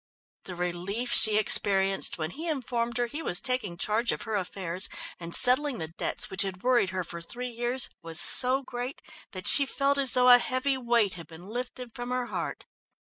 The relief she experienced when he informed her he was taking charge of her affairs and settling the debts which had worried her for three years was so great that she felt as though a heavy weight had been lifted from her heart.